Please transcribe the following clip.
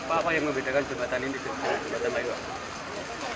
apa yang membedakan jembatan ini dari jembatan bajak